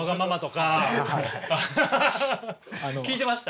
聞いてました？